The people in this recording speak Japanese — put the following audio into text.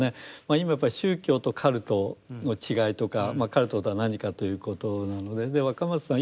今やっぱり宗教とカルトの違いとかカルトとは何かということなので若松さん